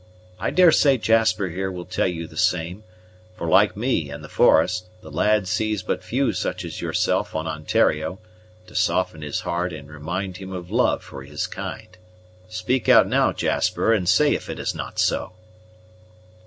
I daresay Jasper here will tell you the same; for, like me in the forest, the lad sees but few such as yourself on Ontario, to soften his heart and remind him of love for his kind. Speak out now, Jasper, and say if it is not so?"